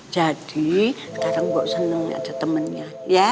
jadi sekarang mbak seneng ada temennya